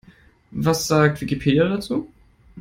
Was sagt Wikipedia dazu?